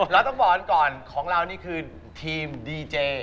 เราต้องบอกก่อนของเรานี่คือทีมดีเจ